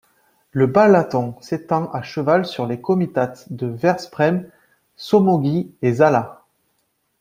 Le Balaton s'étend à cheval sur les comitats de Veszprém, Somogy et Zala.